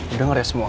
udah ngeres semua